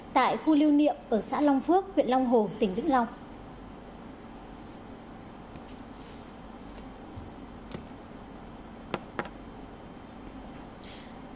tại khu lưu niệm ở xã long phước huyện long hồ tỉnh vĩnh long